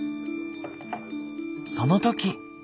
その時。